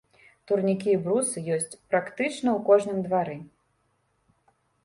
Турнікі і брусы ёсць практычна ў кожным двары.